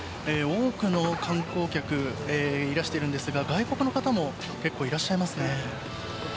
多くの観光客いらしているんですが外国の方も結構いらっしゃいますね。